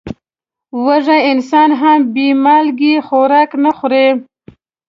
وږی انسان هم بې مالګې خوراک نه خوري.